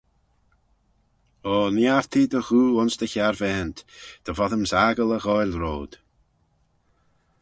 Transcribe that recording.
O niartee dty ghoo ayns dty harvaant: dy voddyms aggle y ghoaill royd.